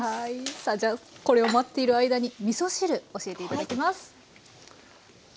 さあじゃあこれを待っている間にみそ汁教えて頂きます。